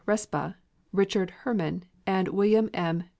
Respa, Richard Herman, and William M.